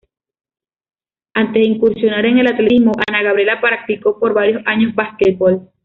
Antes de incursionar en el atletismo, Ana Gabriela practicó por varios años basquetbol.